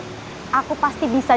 aku akan menangkap mereka bersama sama